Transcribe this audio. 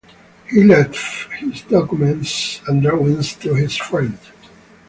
He left his documents and drawings to his friend.